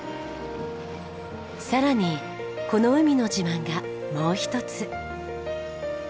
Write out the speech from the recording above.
さらにこの海の自慢がもう一つ。